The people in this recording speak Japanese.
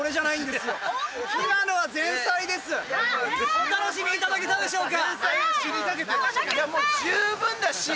お楽しみいただけたでしょうか？